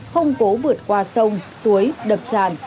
không cố vượt qua sông suối đập tràn